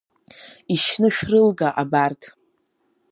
Ишьны шәрылга абарҭ!